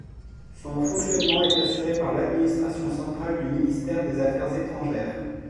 Son fonctionnement est assuré par l'administration centrale du ministère des Affaires étrangères.